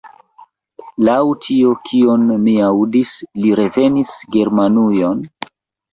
Laŭ tio, kion mi aŭdis, li revenis Germanujon?